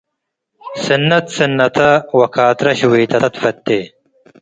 ስነት ስነተ ወካትረ ሸዌተተ ትፈቴ።